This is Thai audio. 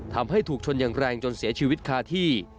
ทำให้ถูกชนอย่างแรงจนเสียชีวิตคาที่